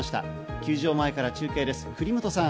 球場前から中継です、栗本さん。